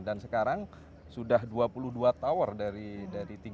dan sekarang sudah dua puluh dua tower dari tiga puluh tadi itu ya